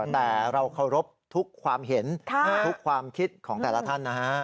แต่เราเคารพทุกความเห็นทุกความคิดของแต่ละท่านนะฮะ